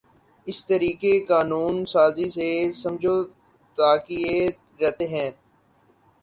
اس طریقِ قانون سازی سے سمجھوتاکیے رہتے ہیں